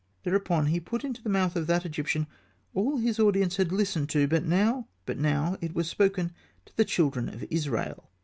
Thereupon he put into the mouth of that Egyptian all his audience had listened to, but now it was spoken to the children of Israel.